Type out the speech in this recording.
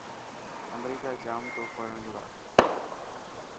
امريڪا جائون تو پڙهڻ لاءِ.